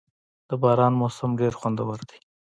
• د باران موسم ډېر خوندور وي.